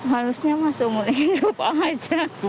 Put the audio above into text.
harusnya mah seumur hidup aja